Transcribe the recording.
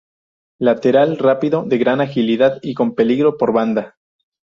Lateral rápido, de gran agilidad y con peligro por banda.